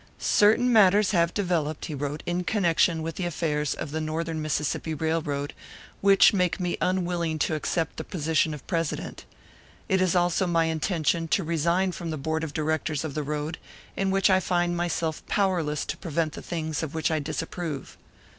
"Certain matters have developed," he wrote, "in connection with the affairs of the Northern Mississippi Railroad, which make me unwilling to accept the position of president. It is also my intention to resign from the board of directors of the road, in which I find myself powerless to prevent the things of which I disapprove."